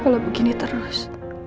kalau begini terus